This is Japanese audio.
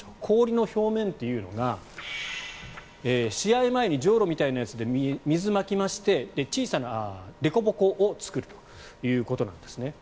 氷の表面というのが試合前にじょうろみたいなやつで水をまきまして小さなでこぼこを作るということです。